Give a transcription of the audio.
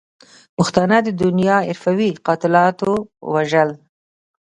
پښتانه د دنیا حرفوي قاتلاتو وژل.